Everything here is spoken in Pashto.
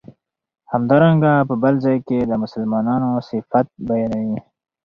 همدارنګه په بل ځای کی د مسلمانو صفت بیانوی